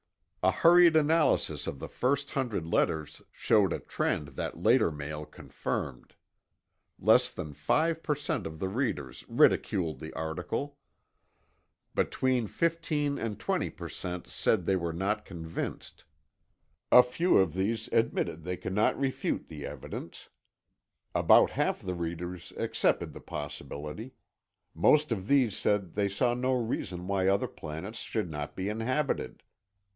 A hurried analysis of the first hundred letters showed a trend that later mail confirmed. Less than 5 per cent of the readers ridiculed the article. Between 15 and 20 per cent said they were not convinced; a few of these admitted they could not refute the evidence. About half the readers accepted the possibility; most of these said they saw no reason why other planets should not be inhabited.